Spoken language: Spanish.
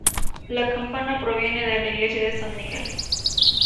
La campana proviene de la iglesia de San Miguel.